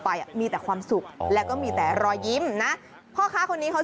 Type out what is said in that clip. อ่ะมีแต่ความสุขแล้วก็มีแต่รอยยิ้มนะพ่อค้าคนนี้เขา